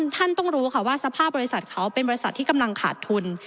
ท่านต้องรู้ค่ะว่าสภาพบริษัทเขาเป็นบริษัทที่กำลังขาดทุน